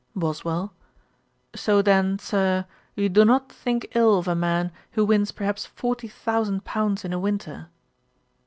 BOSWELL. 'So then, Sir, you do not think ill of a man who wins perhaps forty thousand pounds in a winter?'